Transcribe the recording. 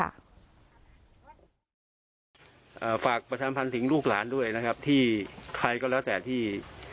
อ่าฝากประชามพันธ์ถึงลูกหลานด้วยนะครับที่ใครก็แล้วแต่ที่